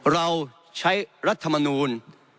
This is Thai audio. เราใช้รัฐมนูล